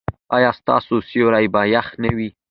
ایا ستاسو سیوري به يخ نه وي؟